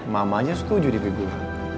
mamanya setuju di mobil